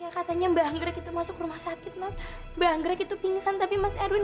katanya bangger gitu masuk rumah sakit bangger itu pingsan tapi mas erwin